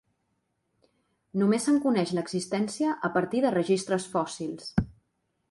Només se'n coneix l'existència a partir de registres fòssils.